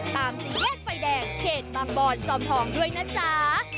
สี่แยกไฟแดงเขตบางบอนจอมทองด้วยนะจ๊ะ